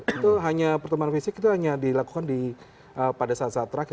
itu hanya pertemuan fisik itu hanya dilakukan pada saat saat terakhir